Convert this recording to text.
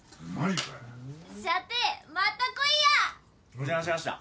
お邪魔しました。